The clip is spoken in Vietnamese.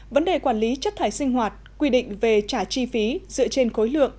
vấn đề quản lý chất thải sinh hoạt quy định về trả chi phí dựa trên khối lượng